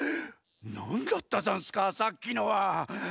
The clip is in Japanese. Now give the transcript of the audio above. なんだったざんすかさっきのは。